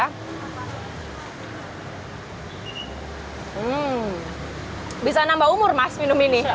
hmm bisa nambah umur mas minum ini